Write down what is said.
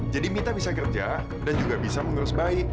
jadi mita bisa kerja dan juga bisa mengelola bayi